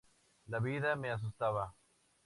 La vida me asustaba".